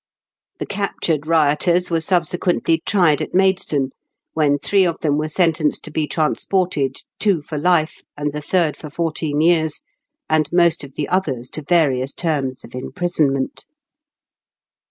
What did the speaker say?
The captured rioters were subse quently tried at Maidstone, when three of them were sentenced to be transported, two for life, and the third for fourteen years, and most of the others to various terms of im prisonment.